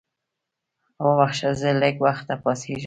وبخښه زه لږ وخته پاڅېږم.